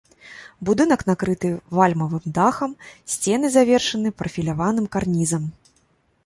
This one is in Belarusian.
Будынак накрыты вальмавым дахам, сцены завершаны прафіляваным карнізам.